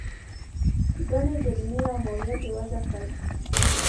ګڼې جریمې او مالیات یې وضعه کړل.